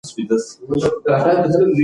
په هماغه ليکدود.